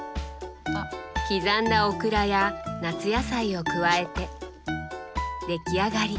刻んだオクラや夏野菜を加えて出来上がり。